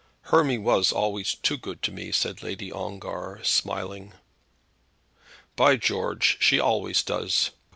"Hermy was always too good to me," said Lady Ongar, smiling. "By George, she always does.